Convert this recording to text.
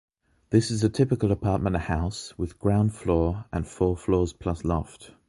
This is a typical apartment house, with ground floor and four floors plus loft.